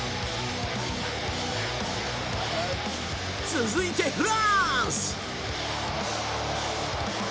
続いて、フランス！